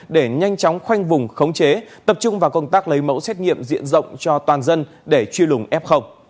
để nhanh chóng khoanh vùng khống chế tập trung vào công tác lấy mẫu xét nghiệm diện rộng cho toàn dân để truy lùng f